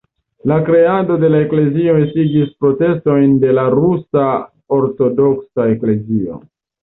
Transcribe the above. La kreado de la eklezio estigis protestojn de la Rusa Ortodoksa Eklezio.